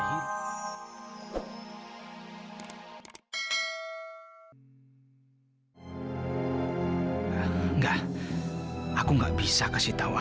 enggak aku gak bisa kasih tau aida